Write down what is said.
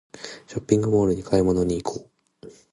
ショッピングモールに買い物に行こう